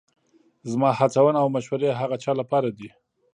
زما هڅونه او مشورې هغه چا لپاره دي